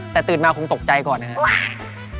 แต่ตื่นมาคงตกใจก่อนนะครับ